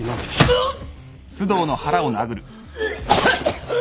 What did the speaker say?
あっ。